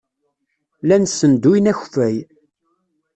Llan ssenduyen akeffay.